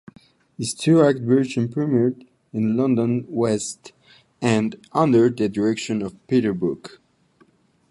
Its two-act version premiered in London's West End under the direction of Peter Brook.